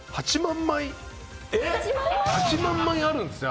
８万枚あるんですよ